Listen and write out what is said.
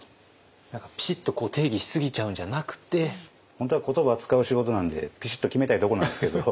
本当は言葉使う仕事なんでピシッと決めたいとこなんですけど。